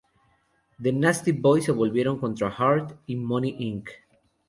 The Nasty Boys se volvieron contra Hart, y Money Inc.